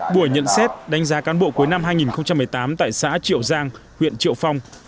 buổi nhận xét đánh giá cán bộ cuối năm hai nghìn một mươi tám tại xã triệu giang huyện triệu phong